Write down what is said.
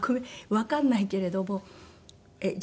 わからないけれどもじゃ